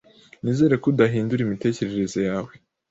Nizere ko udahindura imitekerereze yawe